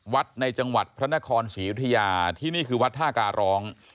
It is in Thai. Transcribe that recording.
วัดในจังหวัดพระนครศรียุธยาที่นี่คือวัดท่าการร้อง